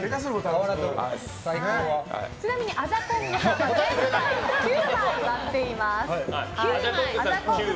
ちなみにアジャ・コングさんは前回９枚割っています。